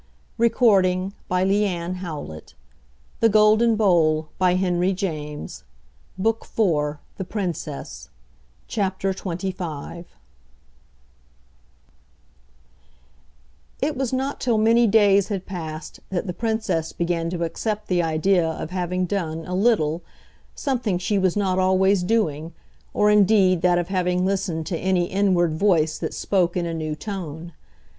"Sure. Nothing WILL. Good night," she said. "She'll die first." BOOK SECOND: THE PRINCESS PART FOURTH XXV It was not till many days had passed that the Princess began to accept the idea of having done, a little, something she was not always doing, or indeed that of having listened to any inward voice that spoke in a new tone.